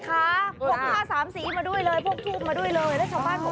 พวกผ้าสามสีมาด้วยเลยพวกทูปมาด้วยเลย